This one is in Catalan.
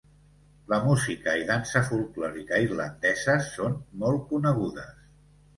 La música i dansa folklòrica irlandeses són molt conegudes.